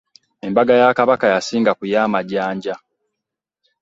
Embaga ya Kabaka yasinga ku ya Majanja.